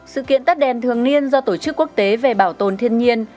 sự kiện tắt đèn thường niên do tổ chức quốc tế về bảo tồn thiên nhiên